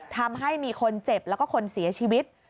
ทำให้มีคนเจ็บแล้วก็คนเสียชีวิต